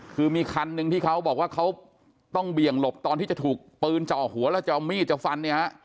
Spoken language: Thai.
คือมีคันหนึ่งที่เขาบอกว่าเขาต้องเบี่ยงหลบตอนที่จะถูกปืนเจาะหัวแล้วจะเอามีดจะฟันเนี่ยฮะ